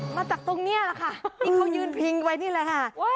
มาจากตรงนี้แหละค่ะที่เขายืนพิงไว้นี่แหละค่ะ